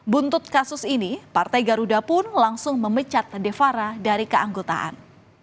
buntut kasus ini partai garuda pun langsung memecat defara dari keanggotaan